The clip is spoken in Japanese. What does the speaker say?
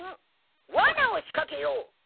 わなを仕掛けよう。